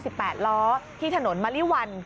แปดล้อที่ถนนมะลิวัน